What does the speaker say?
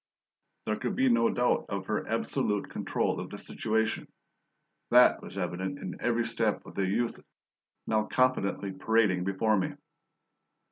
There could be no doubt of her absolute control of the situation. THAT was evident in the every step of the youth now confidently parading before me.